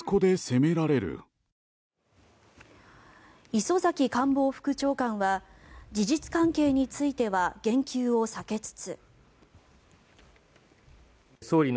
磯崎官房副長官は事実関係については言及を避けつつ。